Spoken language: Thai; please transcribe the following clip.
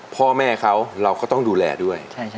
พ่อแม่เขาเราก็ต้องดูแลด้วย